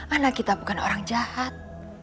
anak kita bukan orang jahat